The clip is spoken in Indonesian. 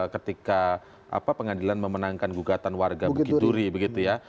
ketika pengadilan memenangkan gugatan warga bukit duri begitu ya